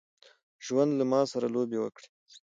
ژوند له ماسره لوبي وکړي.